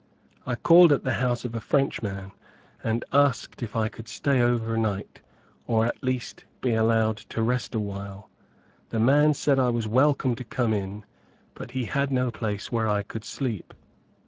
I called at the house of a Frenchman, and asked if I could stay over night, or at least, be allowed to rest awhile. The man said I was welcome to come in, but he had no place where I could sleep.